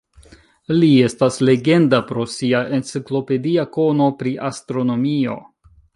Li estas legenda pro sia enciklopedia kono pri astronomio.